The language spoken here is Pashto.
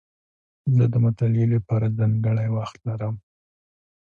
زه د مطالعې له پاره ځانګړی وخت لرم.